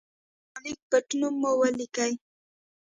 د برېښنالېک پټنوم مو ولیکئ.